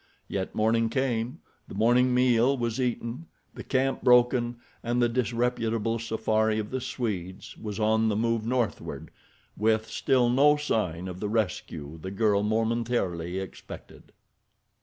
Yet morning came, the morning meal was eaten, the camp broken and the disreputable safari of the Swedes was on the move northward with still no sign of the rescue the girl momentarily expected.